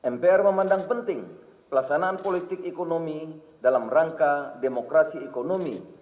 mpr memandang penting pelaksanaan politik ekonomi dalam rangka demokrasi ekonomi